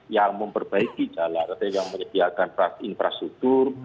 yang memperbaiki jalan atau yang menyediakan infrastruktur